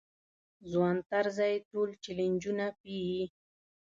ځوان طرزی ټول چلنجونه پېيي.